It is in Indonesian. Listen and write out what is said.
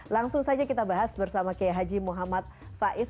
langsung saja kita bahas bersama k h m faiz